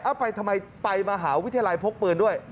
ไปทำไมไปมหาวิทยาลัยพกปืนด้วย